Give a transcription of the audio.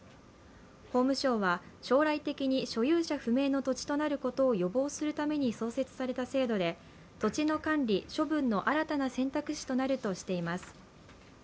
法務省は将来的に所有者不明の土地となることを予防するために創設された制度で土地の管理・処分の新たな選択肢となるとしています。